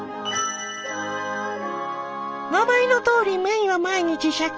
名前のとおりメインは毎日シャケ。